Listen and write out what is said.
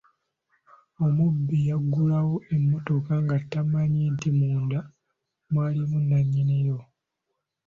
Omubbi yaggulawo emmotoka nga tamanyi nti munda mwalimu nannyini yo.